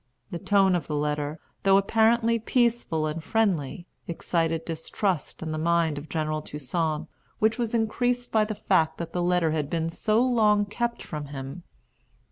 The tone of the letter, though apparently peaceful and friendly, excited distrust in the mind of General Toussaint, which was increased by the fact that the letter had been so long kept from him.